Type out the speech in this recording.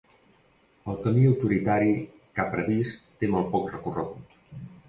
El camí autoritari que ha previst té molt poc recorregut.